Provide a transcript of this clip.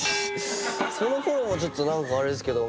そのフォローもちょっと何かあれですけど。